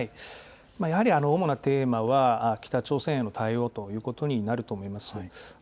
やはり主なテーマは、北朝鮮への対応ということになると思います。